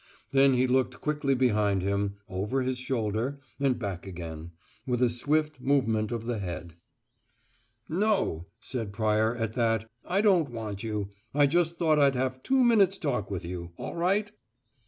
Then he looked quickly behind him, over his shoulder, and back again, with a swift movement of the head. "No," said Pryor, at that. "I don't want you. I just thought I'd have two minutes' talk with you. All right?"